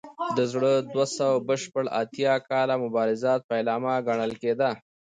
د زر دوه سوه شپږ اتیا کال مبارزات پیلامه ګڼل کېده.